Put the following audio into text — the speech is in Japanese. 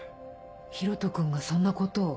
広翔君がそんなことを？